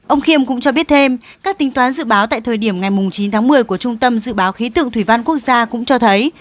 ông khiêm cũng cho biết thêm các tính toán dự báo tại thời điểm ngày chín tháng một mươi của trung tâm dự báo khí tượng thủy văn quốc gia cũng cho thấy